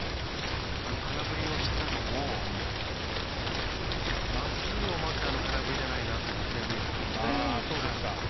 空振りをしてたのもまっすぐを待っての空振りじゃないなというふうに僕には見えたんですね。